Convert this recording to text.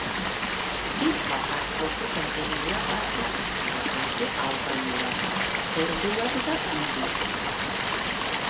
სიტყვა „პასპორტი“ დაწერილია პასპორტის გარეკანზე ალბანურად, სერბულად და ინგლისურად.